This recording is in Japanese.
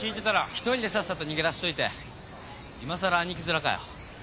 １人でさっさと逃げ出しといていまさら兄貴面かよ。